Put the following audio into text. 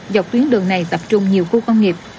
dọc tuyến đường này tập trung nhiều khu công nghiệp